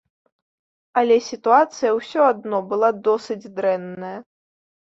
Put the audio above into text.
Але сітуацыя ўсё адно была досыць дрэнная.